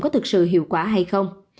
có thực sự hiệu quả hay không